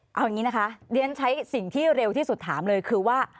เอาอย่างนี้นะคะเรียนใช้สิ่งที่เร็วที่สุดถามเลยคือว่า